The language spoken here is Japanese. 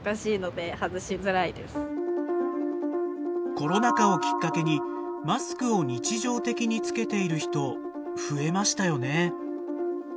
コロナ禍をきっかけにマスクを日常的につけている人増えましたよね。